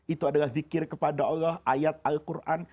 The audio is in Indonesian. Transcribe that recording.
itu adalah zikir kepada allah ayat al quran